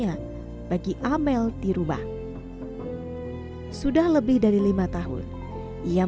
kelapa demikian apel ini juga dummy harga luna vacation emulhome rawat ini nanti